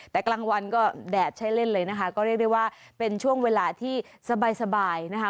แต่กลางวันก็แดดใช้เล่นเลยนะคะก็เรียกได้ว่าเป็นช่วงเวลาที่สบายนะคะ